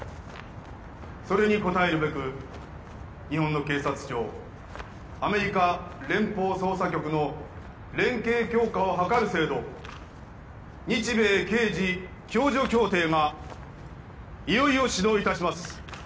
それに応えるべく日本の警察庁アメリカ連邦捜査局の連携強化を図る制度日米刑事共助協定がいよいよ始動いたします